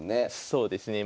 そうですね。